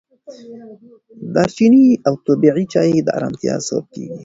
دارچیني او طبیعي چای د ارامتیا سبب کېږي.